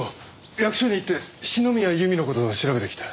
役所に行って篠宮由美の事を調べてきた。